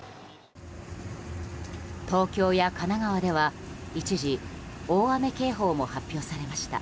東京や神奈川では、一時大雨警報も発表されました。